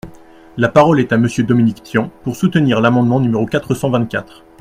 La parole est à Monsieur Dominique Tian, pour soutenir l’amendement numéro quatre cent vingt-quatre.